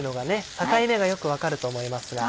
境目がよく分かると思いますが。